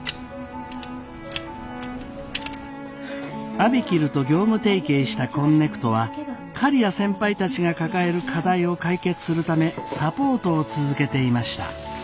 ＡＢＩＫＩＬＵと業務提携したこんねくとは刈谷先輩たちが抱える課題を解決するためサポートを続けていました。